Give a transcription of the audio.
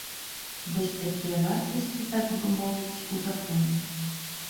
Вось такія вартасці, так бы мовіць, у законе.